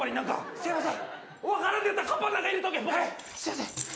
すいません！